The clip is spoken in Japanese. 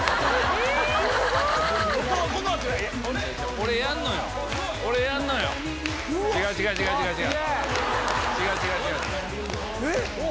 俺やんのよ。えっ！